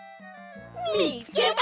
みつけた！